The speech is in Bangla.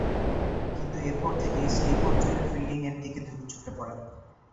কিন্তু এরপর থেকেই স্লিপ অঞ্চলে ফিল্ডিংয়ের দিকে ঝুঁকে পড়েন।